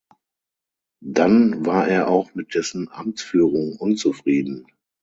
Dann war er auch mit dessen Amtsführung unzufrieden.